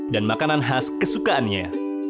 dan makanan khas kesukaannya